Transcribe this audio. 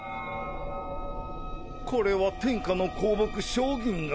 これは天下の香木「小銀河」。